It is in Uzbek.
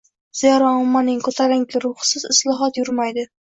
Zero, ommaning ko‘tarinki ruhisiz islohot yurmaydi.